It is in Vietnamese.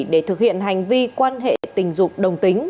để thực hiện hành vi quan hệ tình dục đồng tính